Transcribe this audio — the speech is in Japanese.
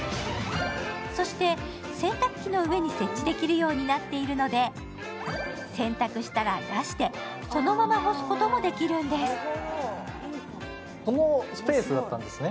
そして、洗濯機の上に設置できるようになっているので、洗濯したら出してそのまま干すこともできるんです。